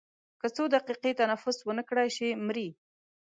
که څو دقیقې تنفس ونه کړای شي مري.